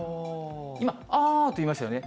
今、ああと言いましたよね。